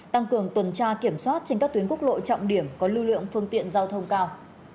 tăng cường tuần tra kiểm soát trên các tuyến quốc lộ trọng điểm có lưu lượng phương tiện giao thông cao